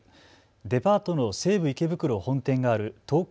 デパートの西武池袋本店がある東京